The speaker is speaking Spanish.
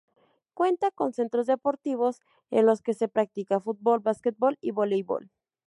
Cuenta con centros deportivos, en los que se practica: fútbol, basquetbol y voleibol.